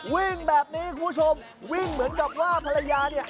วิ่งแบบนี้คุณผู้ชมวิ่งเหมือนกับว่าภรรยาเนี่ย